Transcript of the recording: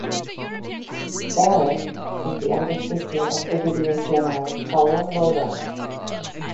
Barrett is the elder sister of Brigadier General Paula Lodi.